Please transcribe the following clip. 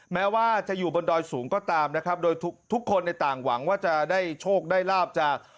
แม้ว่าจะอยู่บนดอยสูงก็ตามนะครับโดยทุกคนในต่างหวังว่าจะได้โชคได้ลาบจาก